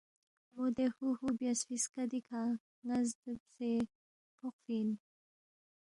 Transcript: موے دے ہُوہُو بیاسفی سکدی کھہ ن٘ا زبِدے فوقفی اِن